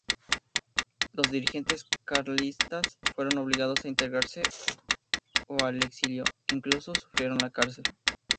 Los dirigentes carlistas fueron obligados a integrarse o al exilio, incluso sufrieron la cárcel.